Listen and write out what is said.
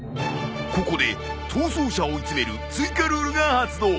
ここで逃走者を追い詰める追加ルールが発動。